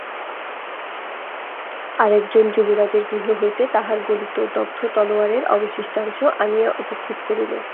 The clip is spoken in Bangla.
আর-একজন যুবরাজের গৃহ হইতে তাঁহার গলিত দগ্ধ তলোয়ারের অবশিষ্টাংশ আনিয়া উপস্থিত করিল।